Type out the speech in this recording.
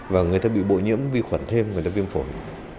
và người ta bị bội nhiễm vi khuẩn thêm người ta viêm phổi